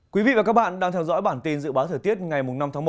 quý vị và các bạn đang theo dõi bản tin dự báo thời tiết ngày năm tháng một